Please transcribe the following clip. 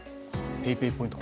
ＰａｙＰａｙポイント